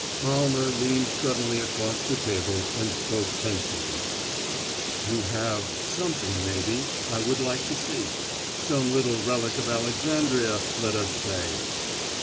Almer leaned suddenly across the table and spoke tensely: "You have something maybe I would like to see. Some little relic of Alexandria, let us say."